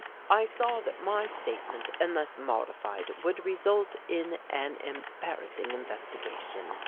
"I saw that my statement unless modified would result in an embarrassing investigation.